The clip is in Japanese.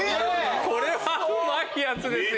これはうまいやつですよ！